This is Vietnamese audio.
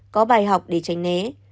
có bài học để tránh né